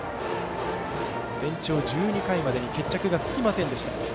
延長１２回までに決着がつきませんでした。